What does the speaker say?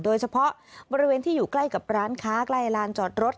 โดยเฉพาะบริเวณที่อยู่ใกล้กับร้านค้าใกล้ลานจอดรถ